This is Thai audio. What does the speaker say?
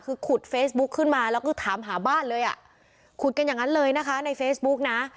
ขุดกันอย่างงั้นเลยนะคะในเฟซบุ๊คนะ